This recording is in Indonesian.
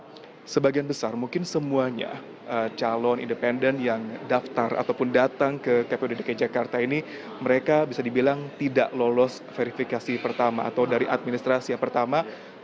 karena sebagian besar mungkin semuanya calon independen yang daftar ataupun datang ke kpud dki jakarta ini mereka bisa dibilang tidak lolos verifikasi pertama atau dari administrasi yang pertama